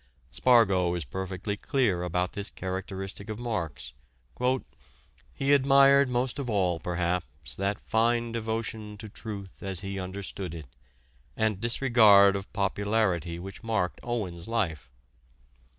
Spargo is perfectly clear about this characteristic of Marx: "He admired most of all, perhaps, that fine devotion to truth as he understood it, and disregard of popularity which marked Owen's life.